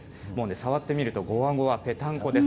触ってみるとごわごわ、ぺたんこです。